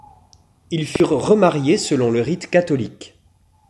Ils furent remariés selon le rite catholique.